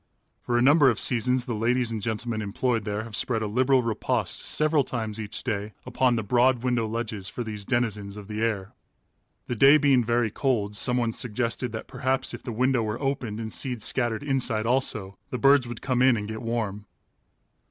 For a number of seasons the ladies and gentlemen employed there have spread a liberal repast several times each day upon the broad window ledges for these denizens of the air. The day being very cold, someone suggested that perhaps if the window were opened and seed scattered inside also, the birds would come in and get warm.